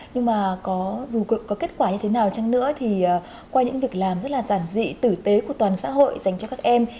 nhưng mà dù có kết quả như thế nào chăng nữa thì qua những việc làm rất là giản dị tử tế của toàn xã hội dành cho các em